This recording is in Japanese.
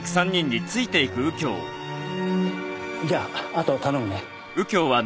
じゃああと頼むね。